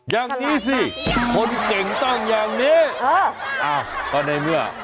อย่างนี้สิคนเก่งต้องอย่างนี้ก็ในเมื่อ